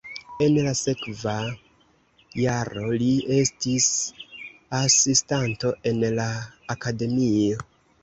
En la sekva jaro li estis asistanto en la akademio.